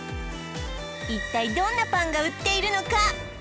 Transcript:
一体どんなパンが売っているのか？